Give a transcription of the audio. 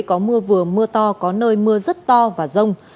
có mưa vừa mưa to có nơi mưa rất to và rông